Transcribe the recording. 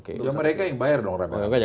ya mereka yang bayar dong remnya